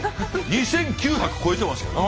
２，９００超えてますよ。